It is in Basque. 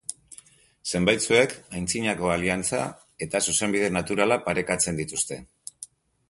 Zenbaitzuek antzinako aliantza eta zuzenbide naturala parekatzen dituzte.